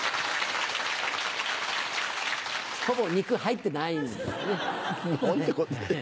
ほぼ肉入ってないですね。